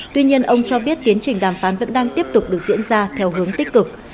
tuy nhiên ông cho biết tiến trình đàm phán vẫn đang tiếp tục được diễn ra theo hướng tích cực